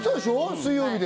水曜日で。